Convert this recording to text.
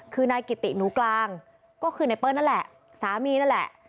คือนายกิติหนูกลางคือนายเปิ้ลนะแหละคือนายสามีนั้นแหละ